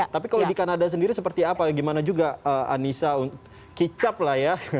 tapi kalau di kanada sendiri seperti apa gimana juga anissa kicap lah ya